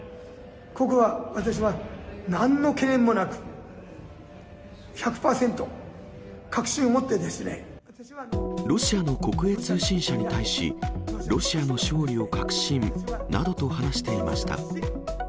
ここは私は、なんの懸念もなく、ロシアの国営通信社に対し、ロシアの勝利を確信などと話していました。